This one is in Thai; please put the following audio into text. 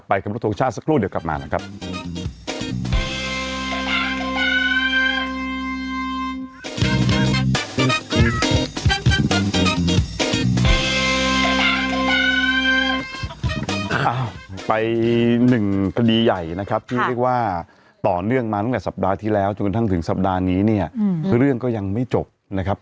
อ้าวไปหนึ่งคดีใหญ่นะครับที่เรียกว่าต่อเรื่องมาตั้งแต่สัปดาห์ที่แล้วจนกันทั้งถึงสัปดาห์นี้เนี่ยคือเรื่องก็ยังไม่จบนะครับ